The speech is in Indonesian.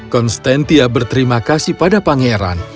konstantia berterima kasih pada pangeran